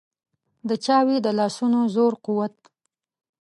د چا وي د لاسونو زور قوت.